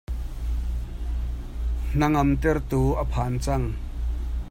Hnangam tertu a phan cang.